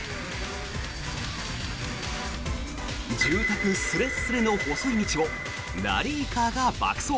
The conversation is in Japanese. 住宅すれすれの細い道をラリーカーが爆走。